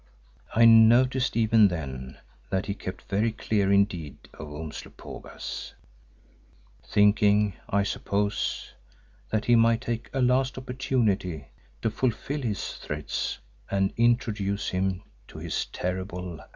I noticed even then that he kept very clear indeed of Umslopogaas, thinking, I suppose, that he might take a last opportunity to fulfil his threats and introduce him to his terrible Axe.